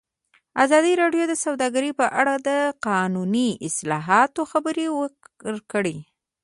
ازادي راډیو د سوداګري په اړه د قانوني اصلاحاتو خبر ورکړی.